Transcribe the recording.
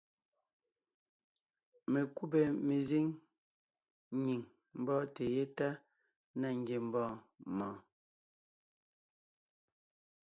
Mekúbè mezíŋ nyìŋ mbɔ́ɔnte yétana ngiembɔɔn mɔɔn.